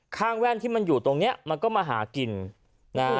แว่นที่มันอยู่ตรงเนี้ยมันก็มาหากินนะฮะ